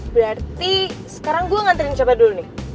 berarti sekarang gue nganterin siapa dulu nih